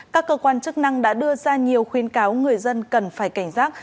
các cơ quan chức năng đã đưa ra nhiều khuyến cáo người dân cần phải cảnh giác